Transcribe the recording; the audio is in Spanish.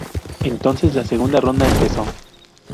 Entonces la segunda ronda empezó.